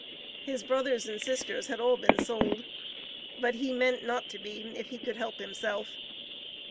His brothers and sisters had all been sold, but he meant not to be if he could help himself.